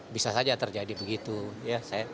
bisa saja terjadi begitu ya